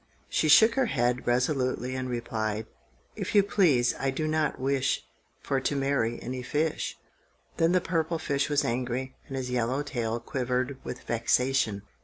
She shook her head resolutely, and replied,— "If you please, I do not wish For to marry any fish!" Then the purple fish was angry, and his yellow tail quivered with vexation.